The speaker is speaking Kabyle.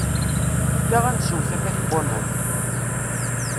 Efk-aɣ ad nsew tiqit n waman.